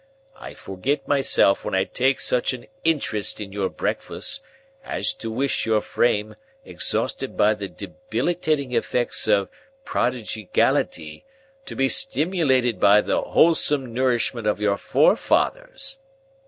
I forgit myself when I take such an interest in your breakfast, as to wish your frame, exhausted by the debilitating effects of prodigygality, to be stimilated by the 'olesome nourishment of your forefathers.